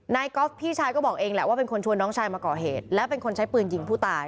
ก๊อฟพี่ชายก็บอกเองแหละว่าเป็นคนชวนน้องชายมาก่อเหตุและเป็นคนใช้ปืนยิงผู้ตาย